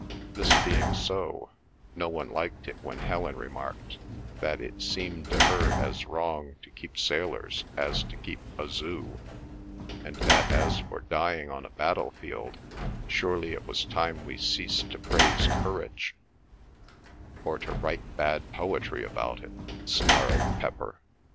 This being so, no one liked it when Helen remarked that it seemed to her as wrong to keep sailors as to keep a Zoo, and that as for dying on a battle field, surely it was time we ceased to praise courage—"or to write bad poetry about it," snarled Pepper.